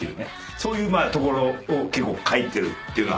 そういうところを結構書いてるっていうのはあるよね。